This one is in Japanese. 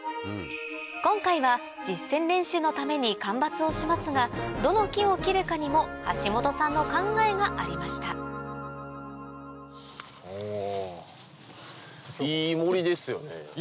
今回は実践練習のために間伐をしますがどの木を切るかにも橋本さんの考えがありましたいい森ですよね。